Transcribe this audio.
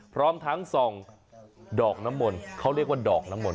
พร้อมทั้งส่องดอกน้ำมนต์เขาเรียกว่าดอกน้ำมนต